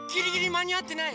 まにあってない！